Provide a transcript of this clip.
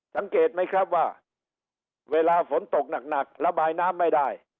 สังเกตไหมครับว่าเวลาฝนตกหนักระบายน้ำไม่ได้